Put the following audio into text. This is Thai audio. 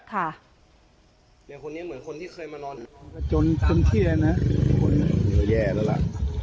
ค่ะเนี่ยคนนี้เหมือนคนที่เคยมานอนจนจนเชื่อนะแย่แล้วล่ะ